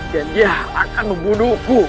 dan dia akan membunuhku